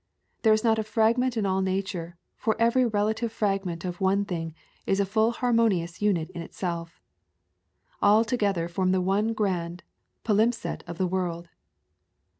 There is not a fragment in all nature, for every relative fragment of one thing is a full harmonious unit in itself. All together form the one grand palimpsest of the world.